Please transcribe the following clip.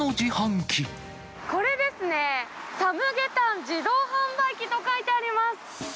これですね、サムゲタン自動販売機と書いてあります。